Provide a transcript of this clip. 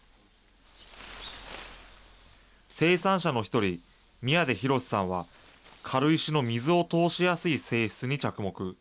生産者の一人、宮出博史さんは、軽石の水を通しやすい性質に着目。